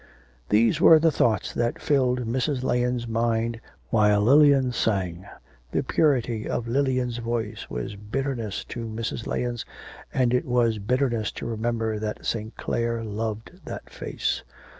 These were the thoughts that filled Mrs. Lahens' mind while Lilian sang. The purity of Lilian's voice was bitterness to Mrs. Lahens, and it was bitterness to remember that St. Clare loved that face.